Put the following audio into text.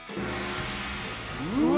うわ！